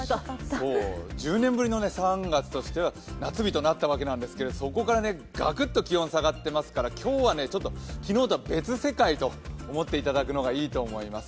１０年ぶりの３月としては夏日となったわけですがそこからガクッと気温下がってますから、今日はちょっと昨日とは別世界と思っていただくのがいいと思います。